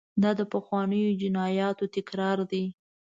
دا د پخوانیو جنایاتو تکرار دی.